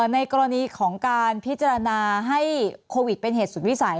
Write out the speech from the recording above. ในกรณีของการพิจารณาให้โควิดเป็นเหตุสุดวิสัย